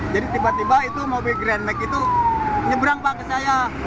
jadi tiba tiba itu mobil grand max itu nyebrang pak ke saya